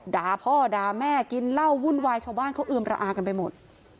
ด่าพ่อด่าแม่กินเหล้าวุ่นวายชาวบ้านเขาเอือมระอากันไปหมด